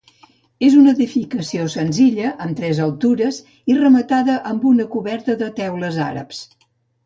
És una edificació senzilla amb tres altures i rematada amb una coberta de teules àrabs.